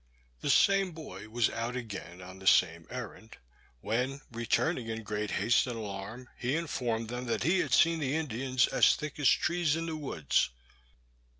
The same boy was out again on the same errand, when, returning in great haste and alarm, he informed them that he had seen the Indians as thick as trees in the woods.